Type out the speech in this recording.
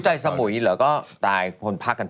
โอ้แต่สมุยหรือก็ตายคนพักกัน